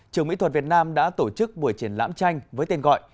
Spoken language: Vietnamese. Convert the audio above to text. trường mỹ thuật việt nam đã tổ chức buổi triển lãm tranh với tên gọi